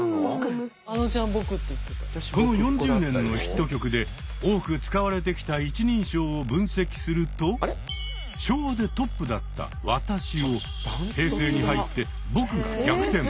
この４０年のヒット曲で多く使われてきた一人称を分析すると昭和でトップだった「わたし」を平成に入って「ぼく」が逆転。